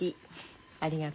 ありがとう。